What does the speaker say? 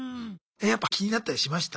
やっぱ気になったりしました？